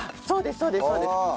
そうですそうです。